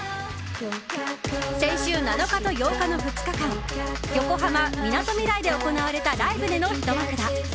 先週７日と８日の２日間横浜・みなとみらいで行われたライブでのひと幕だ。